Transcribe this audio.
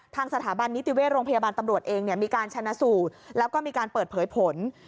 ทางสถาบันนิติเวชโรงพยาบาลตำรวจเองมีการชนะสูตรแล้วก็มีการเปิดเผยผล